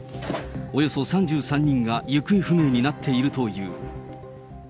およそ３３人が行方不明になっているという。